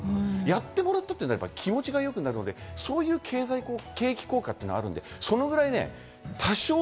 やってもらったというのは気持ちが良くなるので、そういう経済効果はあるので、それくらい。